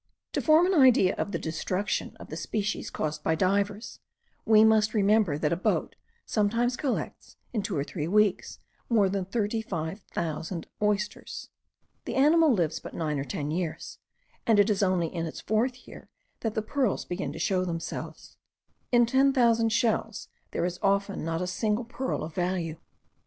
To form an idea of the destruction of the species caused by the divers, we must remember that a boat sometimes collects, in two or three weeks, more than thirty five thousand oysters. The animal lives but nine or ten years; and it is only in its fourth year that the pearls begin to show themselves. In ten thousand shells there is often not a single pearl of value.